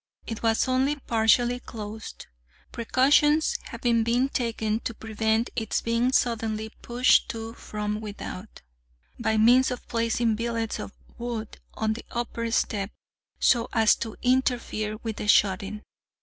It was only partially closed, precautions having been taken to prevent its being suddenly pushed to from without, by means of placing billets of wood on the upper step so as to interfere with the shutting.